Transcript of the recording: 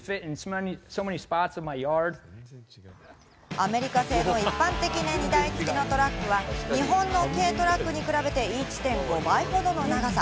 アメリカ製の一般的な荷台付きのトラックは、日本の軽トラックに比べて１．５倍ほどの長さ。